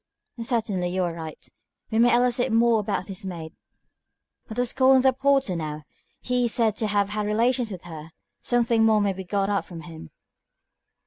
"Certainly, you are right. We may elicit more about this maid. Let us call in the porter now. He is said to have had relations with her. Something more may be got out of him."